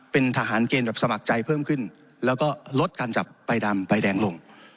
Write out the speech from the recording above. เป็นทหารเกณฑ์แบบสมัครใจเพิ่มขึ้นแล้วก็ลดการจับใบดำใบแดงลง